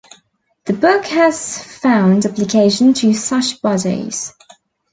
The book has found application to such bodies.